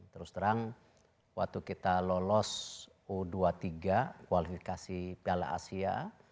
terus terang waktu kita lolos u dua puluh tiga kualifikasi piala asia